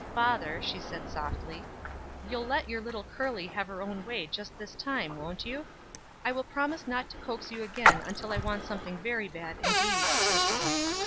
"Father," she said softly, "you'll let your little curly have her own way just this time, won't you? I will promise not to coax you again until I want something very bad indeed."